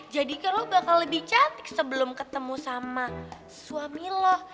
jadi kan lo bakal lebih cantik sebelum ketemu sama suami lo